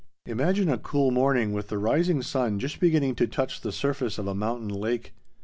Imagine a cool morning with the rising sun just beginning to touch the surface of a mountain lake.